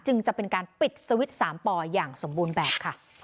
จะเป็นการปิดสวิตช์๓ปออย่างสมบูรณ์แบบค่ะ